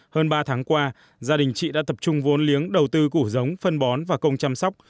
hơn ba tháng qua gia đình chị đã tập trung vốn liếng đầu tư củ giống phân bón và công chăm sóc